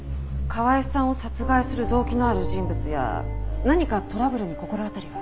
川井さんを殺害する動機のある人物や何かトラブルに心当たりは？